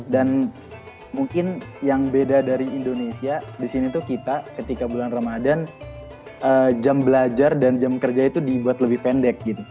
dan mungkin yang beda dari indonesia di sini tuh kita ketika bulan ramadan jam belajar dan jam kerja itu dibuat lebih pendek gitu